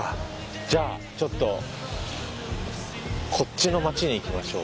じゃあちょっとこっちの町に行きましょう。